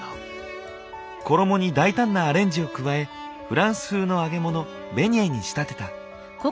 衣に大胆なアレンジを加えフランス風の揚げ物ベニエに仕立てた。